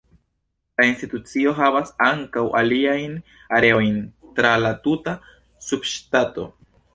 La institucio havas ankaŭ aliajn areojn tra la tuta subŝtato.